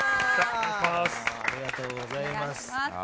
ありがとうございます。